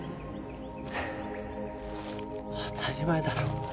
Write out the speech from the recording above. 当たり前だろ。